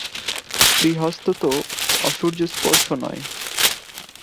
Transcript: শ্রীহস্ত তো অসূর্যম্পশ্য নয়।